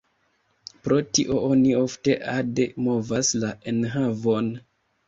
Pro tio oni ofte ade movas la enhavon.